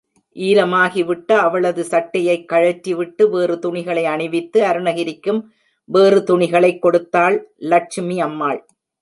ஈரமாகிவிட்ட அவளது சட்டையை கழற்றி விட்டு வேறு துணிகளை அணிவித்து, அருணகிரிக்கும் வேறு துணிகளைக் கொடுத்தாள் லட்சுமி அம்மாள்.